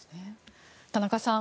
田中さん